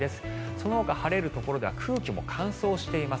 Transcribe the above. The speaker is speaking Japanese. そのほか晴れるところでは空気も乾燥しています。